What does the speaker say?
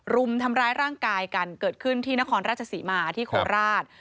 รุมทำร้ายร่างกายกันเกิดขึ้นที่นครราชศรีมาที่โคราช